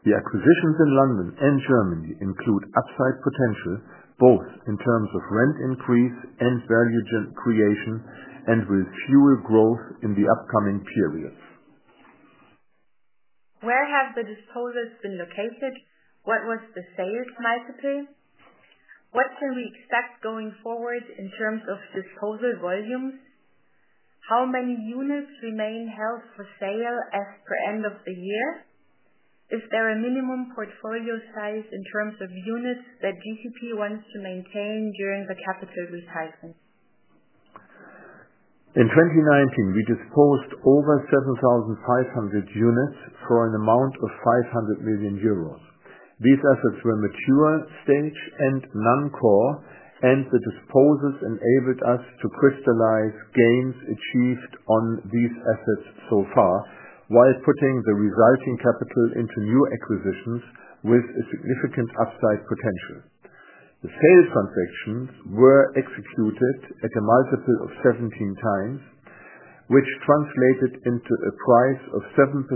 The acquisitions in London and Germany include upside potential, both in terms of rent increase and value creation, and will fuel growth in the upcoming periods. Where have the disposals been located? What was the sales multiples? What can we expect going forward in terms of disposal volumes? How many units remain held for sale as per end of the year? Is there a minimum portfolio size in terms of units that GCP wants to maintain during the capital recycling? In 2019, we disposed over 7,500 units for an amount of 500 million euros. These assets were mature, staged, and non-core, and the disposals enabled us to crystallize gains achieved on these assets so far, while putting the resulting capital into new acquisitions with a significant upside potential. The sales transactions were executed at a multiple of 17x, which translated into a price of 7%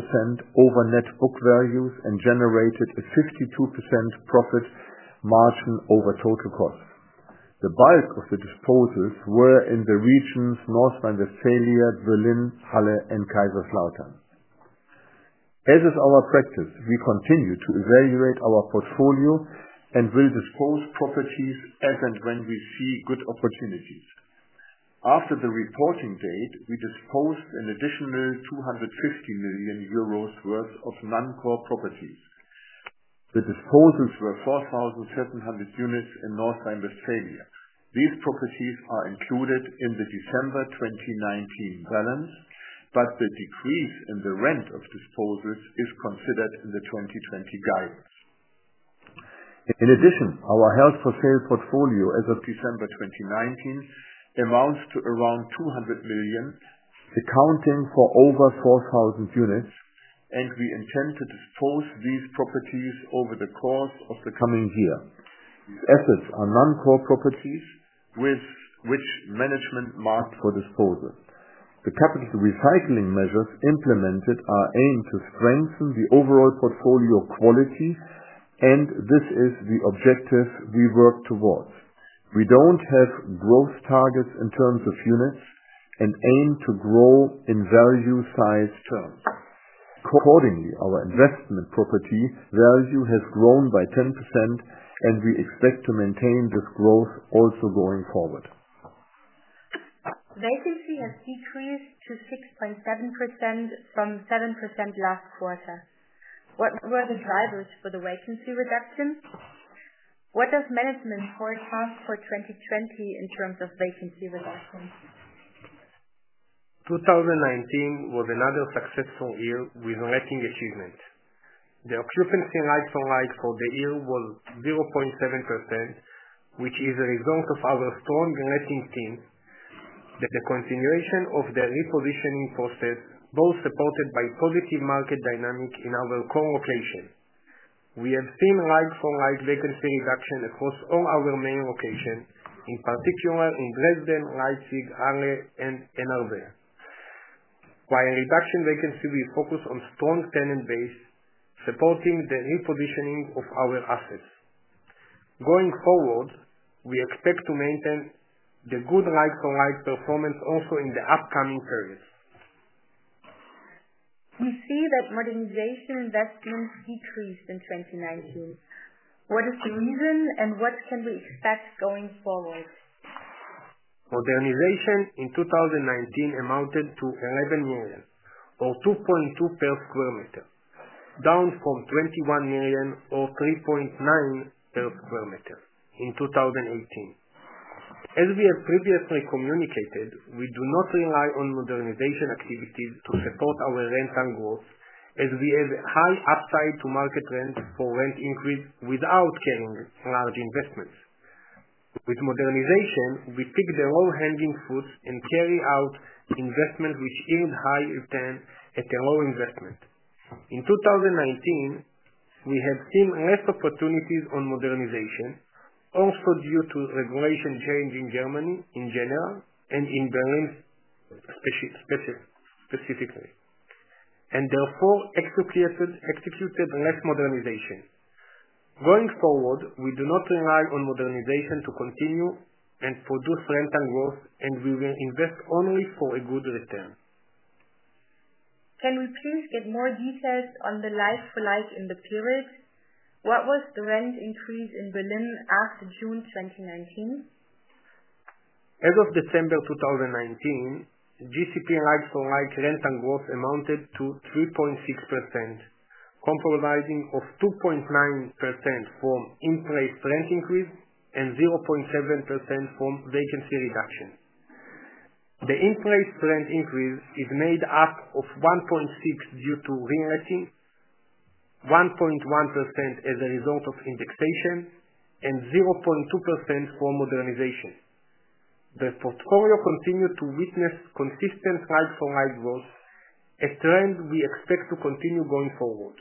over net book values and generated a 62% profit margin over total cost. The bulk of the disposals were in the regions North Rhine-Westphalia, Berlin, Halle, and Kaiserslautern. As is our practice, we continue to evaluate our portfolio and will dispose properties as and when we see good opportunities. After the reporting date, we disposed an additional 250 million euros worth of non-core properties. The disposals were 4,700 units in North Rhine-Westphalia. These properties are included in the December 2019 balance, the decrease in the rent of disposals is considered in the 2020 guidance. In addition, our held-for-sale portfolio as of December 2019 amounts to around 200 million, accounting for over 4,000 units, and we intend to dispose these properties over the course of the coming year. These assets are non-core properties which management marked for disposal. The capital recycling measures implemented are aimed to strengthen the overall portfolio quality, this is the objective we work towards. We don't have growth targets in terms of units and aim to grow in value size terms. Accordingly, our investment property value has grown by 10%, and we expect to maintain this growth also going forward. Vacancy has decreased to 6.7% from 7% last quarter. What were the drivers for the vacancy reduction? What does management forecast for 2020 in terms of vacancy reduction? 2019 was another successful year with letting achievement. The occupancy like-for-like for the year was 0.7%, which is a result of our strong letting team, the continuation of the repositioning process, both supported by positive market dynamic in our core locations. We have seen like-for-like vacancy reduction across all our main locations, in particular in Dresden, Leipzig, Halle, and in Nürnberg. While in reduction vacancy, we focus on strong tenant base, supporting the repositioning of our assets. Going forward, we expect to maintain the good like-for-like performance also in the upcoming periods. We see that modernization investments decreased in 2019. What is the reason, what can we expect going forward? Modernization in 2019 amounted to 11 million or 2.2 per square meter, down from 21 million or 3.9 per square meter in 2018. As we have previously communicated, we do not rely on modernization activities to support our rental growth as we have high upside to market rent for rent increase without carrying large investments. With modernization, we pick the low-hanging fruits and carry out investment which yield high return at a low investment. In 2019, we have seen less opportunities on modernization, also due to regulation change in Germany in general and in Berlin specifically. Therefore, executed less modernization. Going forward, we do not rely on modernization to continue and produce rental growth. We will invest only for a good return. Can we please get more details on the like-for-like in the period? What was the rent increase in Berlin after June 2019? As of December 2019, GCP like-for-like rental growth amounted to 3.6%, comprising of 2.9% from in-place rent increase and 0.7% from vacancy reduction. The in-place rent increase is made up of 1.6% due to reletting, 1.1% as a result of indexation, and 0.2% from modernization. The portfolio continued to witness consistent like-for-like growth, a trend we expect to continue going forward.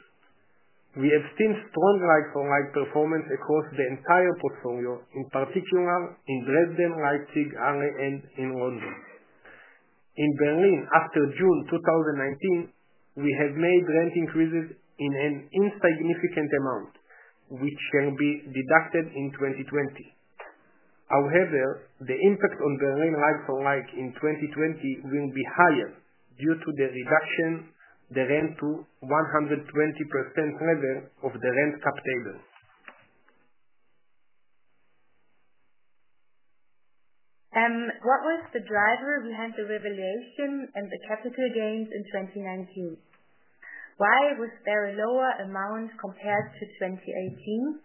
We have seen strong like-for-like performance across the entire portfolio, in particular in Dresden, Leipzig, Halle, and in Nürnberg. In Berlin, after June 2019, we have made rent increases in an insignificant amount, which can be deducted in 2020. However, the impact on Berlin like-for-like in 2020 will be higher due to the reduction the rent to 120% level of the rent cap table. What was the driver behind the revaluation and the capital gains in 2019? Why was there a lower amount compared to 2018?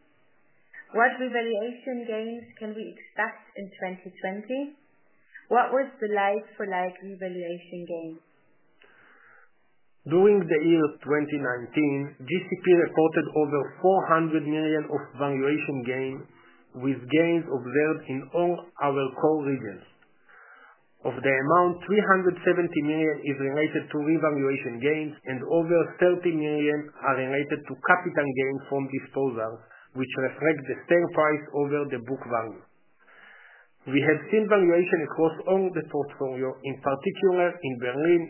What revaluation gains can we expect in 2020? What was the like-for-like revaluation gain? During the year 2019, GCP reported over 400 million of valuation gain, with gains observed in all our core regions. Of the amount, 370 million is related to revaluation gains, and over 30 million are related to capital gains from disposal, which reflect the sale price over the book value. We have seen valuation across all the portfolio, in particular in Berlin,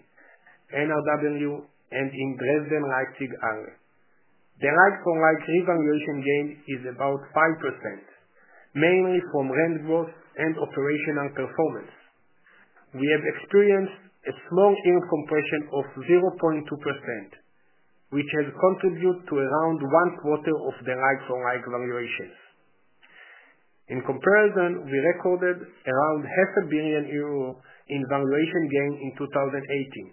NRW, and in Dresden Leipzig area. The like-for-like revaluation gain is about 5%, mainly from rent growth and operational performance. We have experienced a small yield compression of 0.2%, which has contributed to around one quarter of the like-for-like valuations. In comparison, we recorded around half a billion EUR in valuation gain in 2018.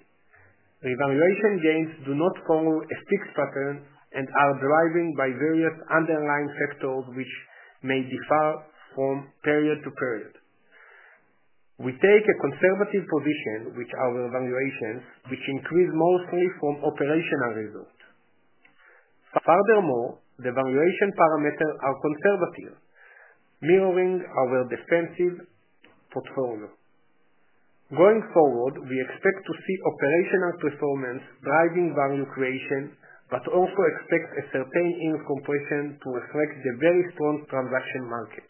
Revaluation gains do not follow a fixed pattern and are driven by various underlying factors which may differ from period to period. We take a conservative position with our valuations, which increase mostly from operational results. Furthermore, the valuation parameters are conservative, mirroring our defensive portfolio. Going forward, we expect to see operational performance driving value creation, but also expect a certain yield compression to reflect the very strong transaction market.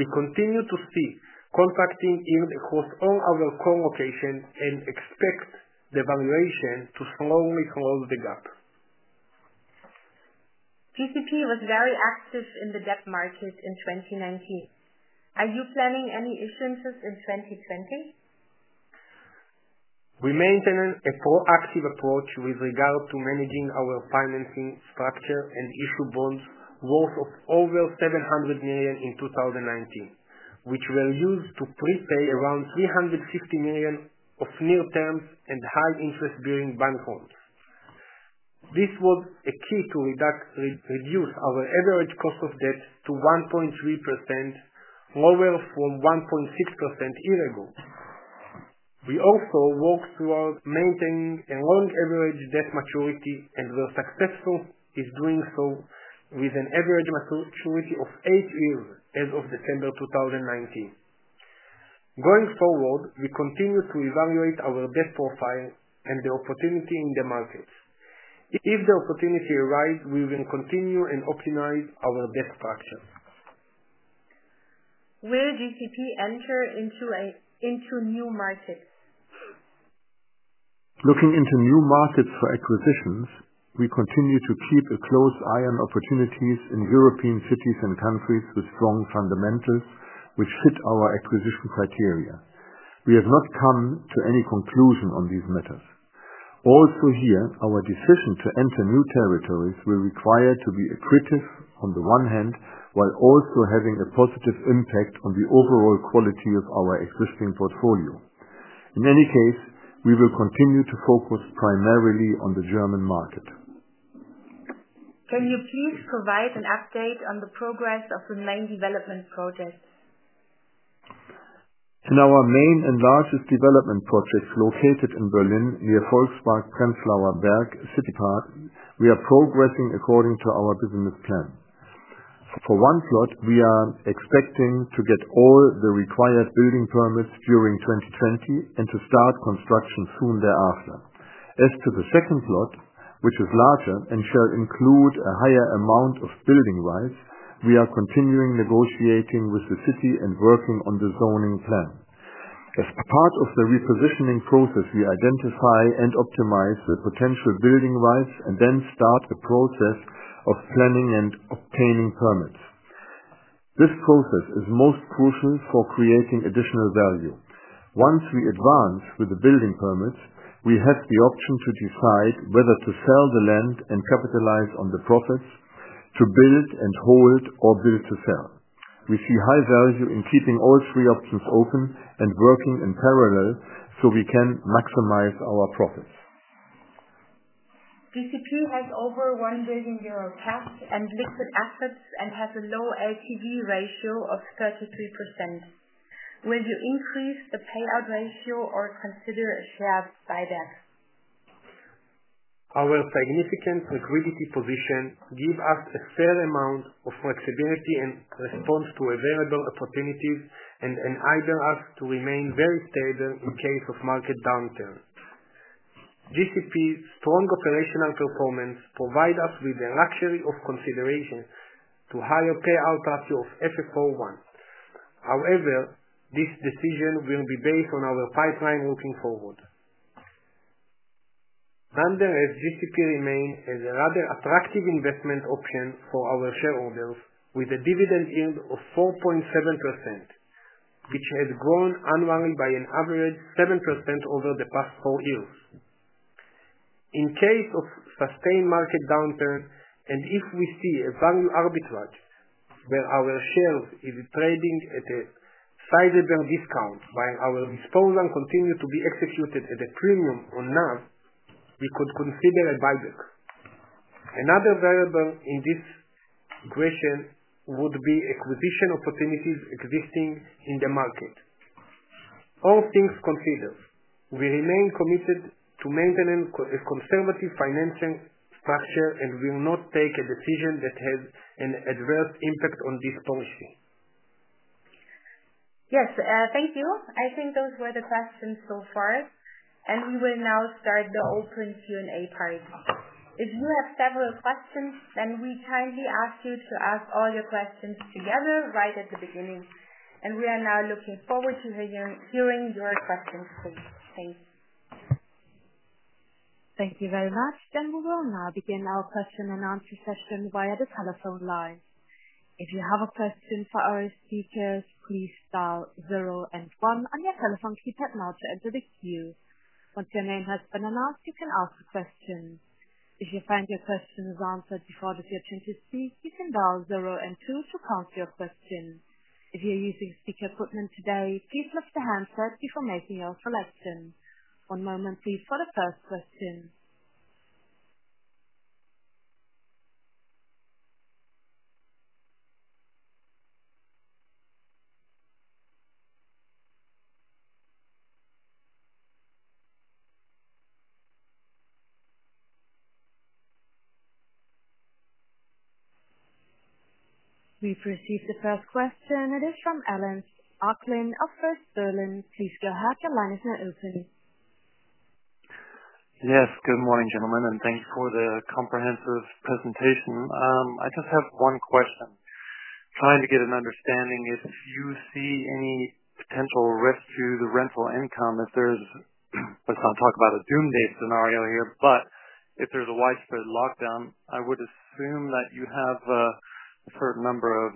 We continue to see contracting yield across all our core locations and expect the valuation to slowly close the gap. GCP was very active in the debt market in 2019. Are you planning any issuances in 2020? We maintain a proactive approach with regard to managing our financing structure. Issued bonds worth of over 700 million in 2019, which were used to prepay around 350 million of near-term and high interest-bearing bank loans. This was a key to reduce our average cost of debt to 1.3%, lower from 1.6% year ago. We also work towards maintaining a long average debt maturity and were successful in doing so with an average maturity of eight years as of December 2019. Going forward, we continue to evaluate our debt profile and the opportunity in the markets. If the opportunity arise, we will continue and optimize our debt structure. Will GCP enter into new markets? Looking into new markets for acquisitions, we continue to keep a close eye on opportunities in European cities and countries with strong fundamentals which fit our acquisition criteria. We have not come to any conclusion on these matters. Also here, our decision to enter new territories will require to be accretive on the one hand, while also having a positive impact on the overall quality of our existing portfolio. In any case, we will continue to focus primarily on the German market. Can you please provide an update on the progress of the main development projects? In our main and largest development projects located in Berlin, near Volkspark Prenzlauer Berg City Park, we are progressing according to our business plan. For one plot, we are expecting to get all the required building permits during 2020 and to start construction soon thereafter. As to the second plot, which is larger and shall include a higher amount of building rights, we are continuing negotiating with the city and working on the zoning plan. As part of the repositioning process, we identify and optimize the potential building rights and then start the process of planning and obtaining permits. This process is most crucial for creating additional value. Once we advance with the building permits, we have the option to decide whether to sell the land and capitalize on the profits, to build and hold or build to sell. We see high value in keeping all three options open and working in parallel so we can maximize our profits. GCP has over 1 billion euro cash and liquid assets and has a low LTV ratio of 33%. Will you increase the payout ratio or consider a share buyback? Our significant liquidity position give us a fair amount of flexibility in response to available opportunities and enable us to remain very stable in case of market downturn. GCP's strong operational performance provide us with the luxury of consideration to higher payout ratio of FFO1. This decision will be based on our pipeline looking forward. GCP remains as a rather attractive investment option for our shareholders, with a dividend yield of 4.7%, which has grown annually by an average 7% over the past four years. In case of sustained market downturn, and if we see a value arbitrage where our shares is trading at a sizable discount while our disposal continues to be executed at a premium or not, we could consider a buyback. Another variable in this equation would be acquisition opportunities existing in the market. All things considered, we remain committed to maintaining a conservative financial structure and will not take a decision that has an adverse impact on this policy. Yes. Thank you. I think those were the questions so far. We will now start the open Q&A part. If you have several questions, we kindly ask you to ask all your questions together right at the beginning. We are now looking forward to hearing your questions. Thank you. Thank you very much. We will now begin our question and answer session via the telephone line. If you have a question for our speakers, please dial 0 and 1 on your telephone keypad now to enter the queue. Once your name has been announced, you can ask a question. If you find your question is answered before it is your turn to speak, you can dial 0 and 2 to cancel your question. If you're using speaker equipment today, please lift the handset before making your selection. One moment please for the first question. We've received the first question. It is from Ellis Acklin of First Berlin. Please go ahead. Your line is now open. Yes. Good morning, gentlemen. Thanks for the comprehensive presentation. I just have one question. Trying to get an understanding if you see any potential risk to the rental income. Let's not talk about a doomsday scenario here, but if there's a widespread lockdown, I would assume that you have a certain number of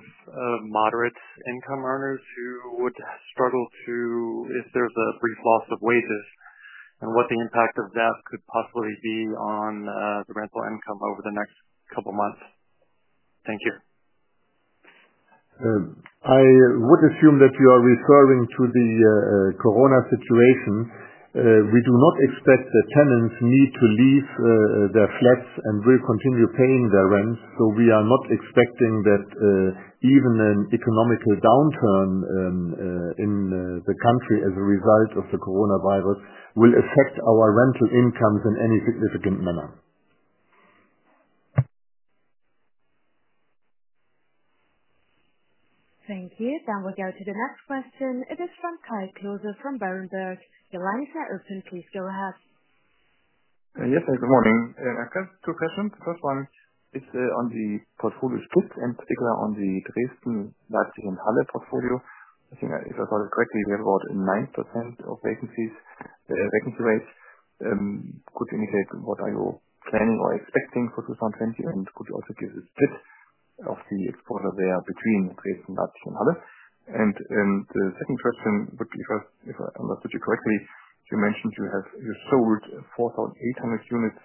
moderate income earners who would struggle if there's a brief loss of wages, and what the impact of that could possibly be on the rental income over the next couple of months. Thank you. I would assume that you are referring to the coronavirus situation. We do not expect the tenants need to leave their flats and will continue paying their rent. We are not expecting that even an economical downturn in the country as a result of the coronavirus will affect our rental income in any significant manner. Thank you. We go to the next question. From Kai Klose from Berenberg. Your line is now open. Please go ahead. Yes. Good morning. I have two questions. The first one is on the portfolio stock, and in particular on the Dresden, Leipzig, and Halle portfolio. I think if I got it correctly, we have about 9% of vacancies, vacancy rates. Could you indicate what are you planning or expecting for 2020? Could you also give a split of the exposure there between Dresden, Leipzig, and Halle? The second question would be, first, if I understood you correctly, you mentioned you sold 4,800 units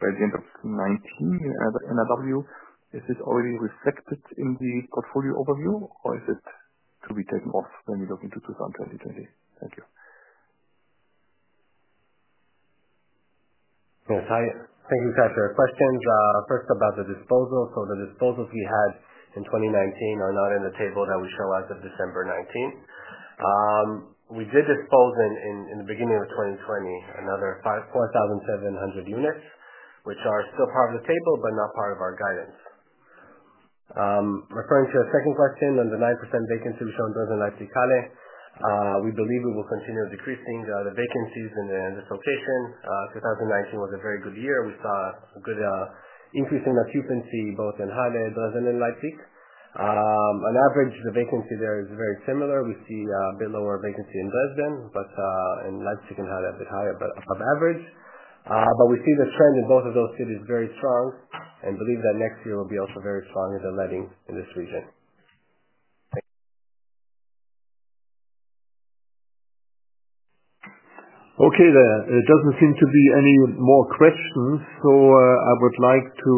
by the end of 2019 in NRW. Is this already reflected in the portfolio overview or is it to be taken off when we look into 2020? Thank you. Yes. Hi. Thank you, Kai, for your questions. First about the disposal. The disposals we had in 2019 are not in the table that we show as of December 2019. We did dispose in the beginning of 2020, another 4,700 units, which are still part of the table, but not part of our guidance. Referring to your second question on the 9% vacancy in Dresden, Leipzig, Halle, we believe we will continue decreasing the vacancies in this location. 2019 was a very good year. We saw a good increase in occupancy both in Halle, Dresden, and Leipzig. On average, the vacancy there is very similar. We see a bit lower vacancy in Dresden, but in Leipzig and Halle, a bit higher, but above average. We see the trend in both of those cities very strong and believe that next year will be also very strong in the letting in this region. Thank you. Okay. There doesn't seem to be any more questions. I would like to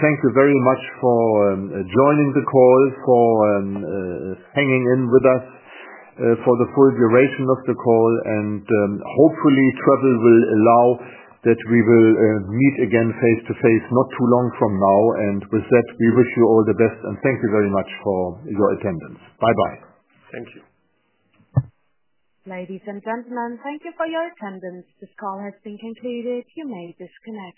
thank you very much for joining the call, for hanging in with us for the full duration of the call. Hopefully travel will allow that we will meet again face-to-face not too long from now. With that, we wish you all the best and thank you very much for your attendance. Bye-bye. Thank you. Ladies and gentlemen, thank you for your attendance. This call has been concluded. You may disconnect.